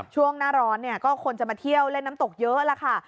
ช่วงหน้าร้อนเนี่ยก็คนจะมาเที่ยวเล่นน้ำตกเยอะแล้วค่ะ